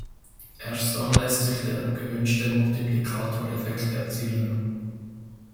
Erst dann lässt sich der gewünschte Multiplikatoreffekt erzielen.